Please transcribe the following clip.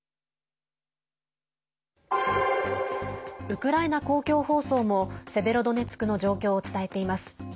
ウクライナ公共放送もセベロドネツクの状況を伝えています。